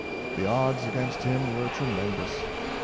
The odds against him were tre mendous.